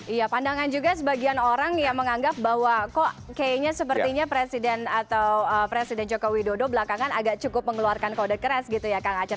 iya pandangan juga sebagian orang yang menganggap bahwa kok kayaknya sepertinya presiden atau presiden joko widodo belakangan agak cukup mengeluarkan kode keras gitu ya kang acep